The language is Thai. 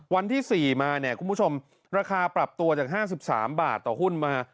วันที่๔มาเนี่ยคุณผู้ชมราคาปรับตัวจาก๕๓บาทต่อหุ้นมา